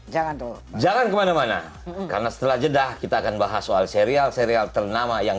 jangan kemana mana karena setelah jedah kita akan bahas soal serial serial ternama yang